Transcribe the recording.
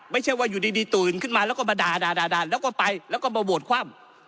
ไม่ใช่ว่าอยู่ดีตื่นขึ้นมาแล้วก็มาด่าแล้วก็ไปแล้วก็มาโหวตคว่ำ